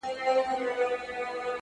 او بخښنه مي له خدایه څخه غواړم،،!